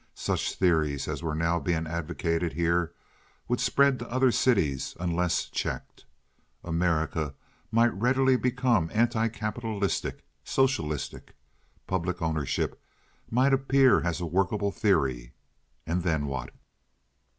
Such theories as were now being advocated here would spread to other cities unless checked. America might readily become anti capitalistic—socialistic. Public ownership might appear as a workable theory—and then what?